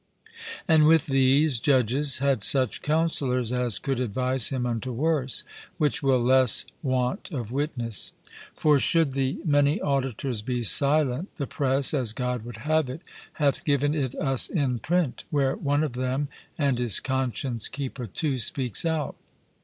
And with these judges had such councillors, as could advise him unto worse, which will less want of witness. For should the many auditors be silent, the press, (as God would have it,) hath given it us in print, where one of them (and his conscience keeper, too,) speaks out.